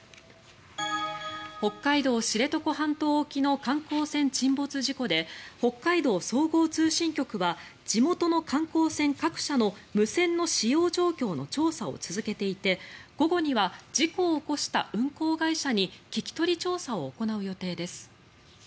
北海道・知床半島沖の観光船沈没事故で北海道総合通信局は地元の観光船各社の無線の使用状況の調査を続けていて午後には事故を起こした運航会社に聞き取り調査を行う予定です。